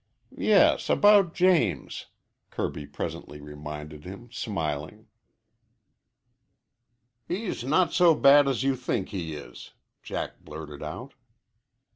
"Yes, about James," Kirby presently reminded him, smiling. "He's not so bad as you think he is," Jack blurted out.